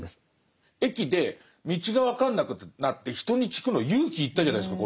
駅で道が分かんなくなって人に聞くの勇気いったじゃないですか